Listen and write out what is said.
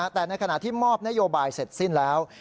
แต่ในขณะที่มอบนโยบายเสร็จสิ้นแล้ว